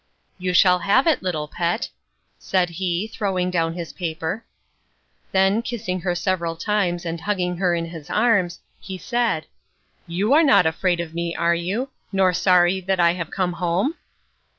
"You shall have it, little pet," said he, throwing down his paper. Then, kissing her several times and hugging her in his arms, he said, "You are not afraid of me, are you? nor sorry that I have come home?"